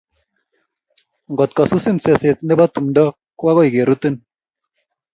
Ngot kosusin seseet nebo tumto, ko akoi kerutiin